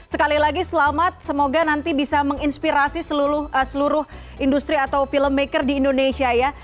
sekali lagi selamat semoga nanti bisa menginspirasi seluruh industri atau filmmaker di indonesia ya